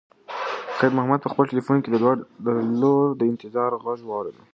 خیر محمد په خپل تلیفون کې د لور د انتظار غږ واورېد.